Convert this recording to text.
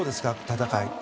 戦い。